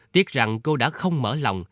tiếc rằng cô đã không mở lòng